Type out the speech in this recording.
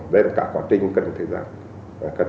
đây là cả quá trình cần thời gian